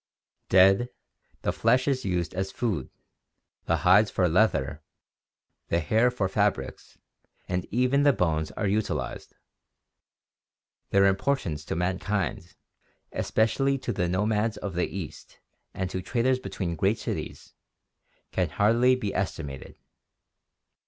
Dead, the flesh is used as food, the hides for leather, the hair for fabrics, and even the bones are utilized. Their importance to mankind, especially to the nomads of the East and to traders between great cities, can hardly be estimated.